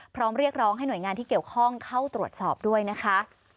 เรียกร้องให้หน่วยงานที่เกี่ยวข้องเข้าตรวจสอบด้วยนะคะ